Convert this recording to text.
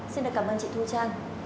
xin cảm ơn chị thu trang